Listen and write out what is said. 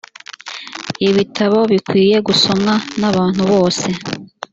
ibitabo bikwiye gusomwa n’abantu bose